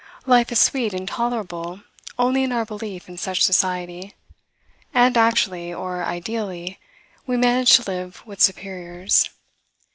Life is sweet and tolerable only in our belief in such society; and actually, or ideally, we manage to live with superiors.